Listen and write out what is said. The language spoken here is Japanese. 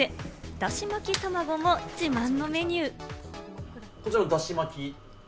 だし巻き卵も自慢のメニュー。